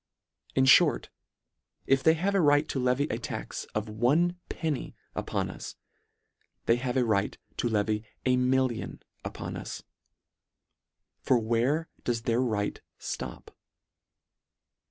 In fhort, if they have a right to levy a tax of one penny upon us, they have a right to levy a million upon us. For where does their right ftop